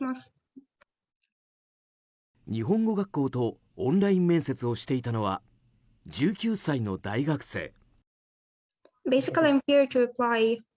日本語学校とオンライン面接をしていたのは１９歳の大学生。